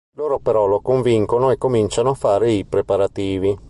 Loro però lo convincono e cominciano a fare i preparativi.